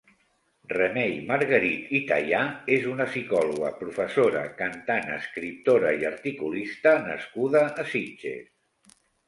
Remei Margarit i Tayà és una psicòloga, professora, cantant, escriptora i articulista nascuda a Sitges.